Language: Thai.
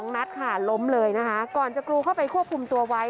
นัดค่ะล้มเลยนะคะก่อนจะกรูเข้าไปควบคุมตัวไว้